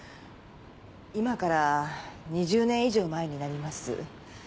今から２０年以上前になります。